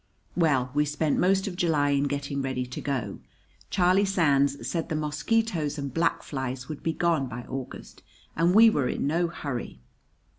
Well, we spent most of July in getting ready to go. Charlie Sands said the mosquitoes and black flies would be gone by August, and we were in no hurry.